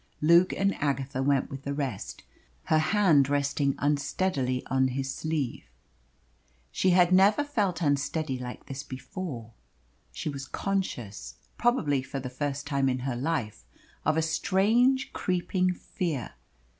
Luke and Agatha went with the rest, her hand resting unsteadily on his sleeve. She had never felt unsteady like this before. She was conscious, probably for the first time in her life, of a strange, creeping fear.